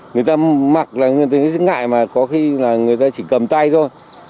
người ta mặc là người ta dính ngại mà có khi là người ta chỉ cầm tay thôi